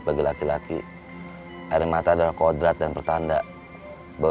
kata orang bilang guanyagaw anemba milepaf atau dia itu juga udah kayak kayak gitu nih guides onu kalo